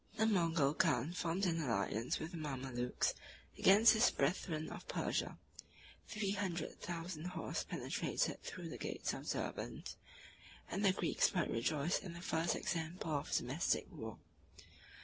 The Mogul khan formed an alliance with the Mamalukes against his brethren of Persia: three hundred thousand horse penetrated through the gates of Derbend; and the Greeks might rejoice in the first example of domestic war.